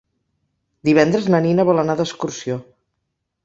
Divendres na Nina vol anar d'excursió.